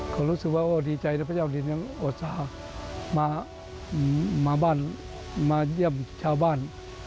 เขารู้สึกว่าดีใจนะพระเจ้าคุณที่นั่งอดทราบมาเยี่ยมชาวบ้าน